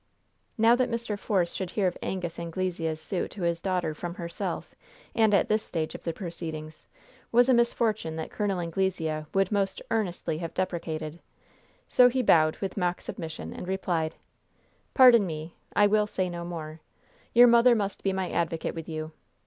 Now that Mr. Force should hear of Angus Anglesea's suit to his daughter from herself, and at this stage of the proceedings, was a misfortune that Col. Anglesea would most earnestly have deprecated. So he bowed with mock submission and replied: "Pardon me, I will say no more. Your mother must be my advocate with you.